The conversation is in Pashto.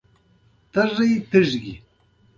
د واک دوام دا حیرانوونکی بدلون راوستی.